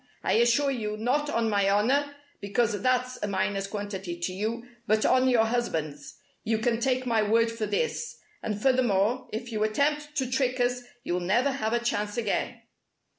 "I assure you not on my honour, because that's a minus quantity to you, but on your husband's you can take my word for this. And furthermore, if you attempt to trick us you'll never have a chance again."